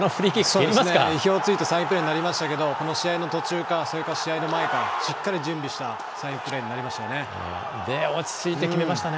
意表を突いたサインプレーになりましたがこの試合の途中からそれか試合の前か、しっかり準備したサインプレーになりましたよね。